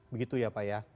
begitu ya pak ya